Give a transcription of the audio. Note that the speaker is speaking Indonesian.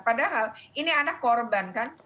padahal ini anak korban kan